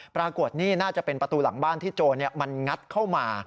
ปรากฏนี่น่าจะเป็นประตูหลังบ้านที่โจรมันงัดเข้ามา